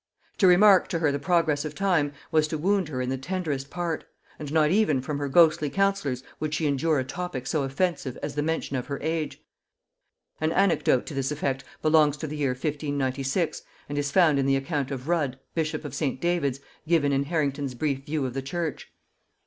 To remark to her the progress of time, was to wound her in the tenderest part, and not even from her ghostly counsellors would she endure a topic so offensive as the mention of her age: an anecdote to this effect belongs to the year 1596, and is found in the account of Rudd bishop of St. Davids given in Harrington's Brief View of the Church.